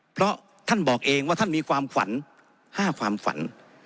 เพราะท่านบอกเองว่าท่านมีความฝัน๕ความฝัน